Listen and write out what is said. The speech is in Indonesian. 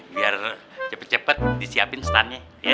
biar cepet cepet disiapin standnya